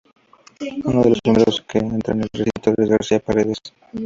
Uno de los primeros que entra en el recinto es García de Paredes.